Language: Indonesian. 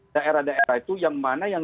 daerah daerah itu yang mana yang